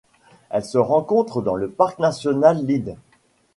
Elle se rencontre dans le parc national Lind.